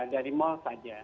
dari mal saja